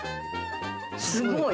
すごい。